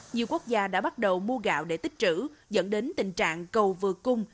nhiều quốc gia đã bắt đầu mua gạo để tích trữ dẫn đến tình trạng cầu vừa cung